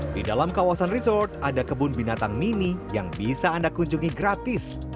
di dalam kawasan resort ada kebun binatang mini yang bisa anda kunjungi gratis